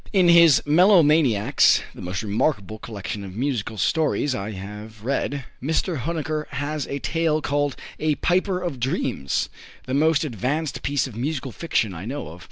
In his "Melomaniacs," the most remarkable collection of musical stories I have read, Mr. Huneker has a tale called "A Piper of Dreams," the most advanced piece of musical fiction I know of.